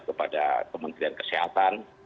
kepada kementerian kesehatan